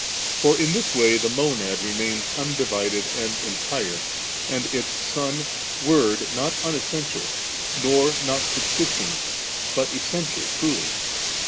For in this way the Monad remains undivided and entire, and Its Son, Word not unessential, nor not sub* sisting^ but essential truly.